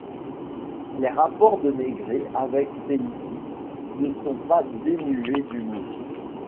Les rapports de Maigret avec Félicie ne sont pas dénués d’humour.